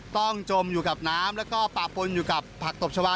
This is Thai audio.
จมอยู่กับน้ำแล้วก็ปะปนอยู่กับผักตบชาวา